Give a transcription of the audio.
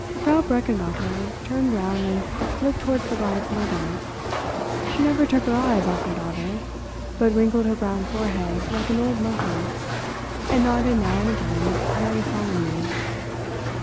Frau Brechenmacher turned round and looked towards the bride's mother. She never took her eyes off her daughter, but wrinkled her brown forehead like an old monkey, and nodded now and again very solemnly.